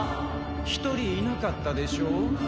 １人いなかったでしょう。